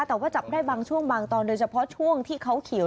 แต่ว่าจับได้บางช่วงบางตอนโดยเฉพาะช่วงที่เขาเขียว